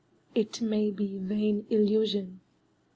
It may be vain illusion.